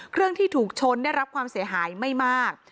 เครื่องที่ถูกชนได้รับความเสียหายไม่มาก